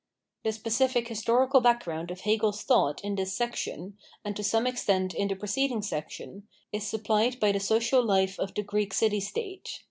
The specific historical background of Hegebs thought in this section, and to some extent in the preceding section, is supplied by the social life of the Greek city state.